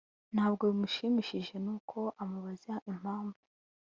ntabwo bimushimishije nuko amubaza impamvu